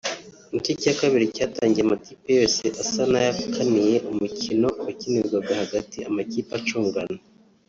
Igice cya kabiri cyatangiye amakipe yose asa n'ayakaniye umukino wakinirwaga hagati amakipe acungana